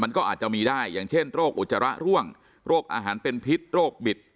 มันก็อาจจะมีได้อย่างเช่นโรคอุจจาระร่วงโรคอาหารเป็นพิษโรคบิด